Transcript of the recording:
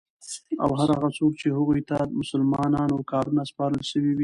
او هر هغه څوک چی هغوی ته د مسلمانانو کارونه سپارل سوی وی